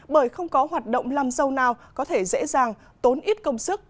bởi không có hoạt động làm dâu nào có thể dễ dàng tốn ít công sức